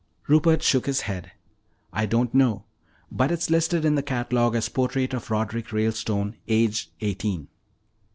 Rupert shook his head. "I don't know. But it's listed in the catalogue as 'Portrait of Roderick Ralestone, Aged Eighteen.'"